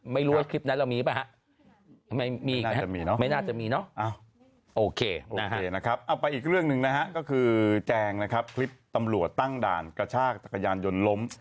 ไม่รู้ว่าคลิปนั้นเรามีไหม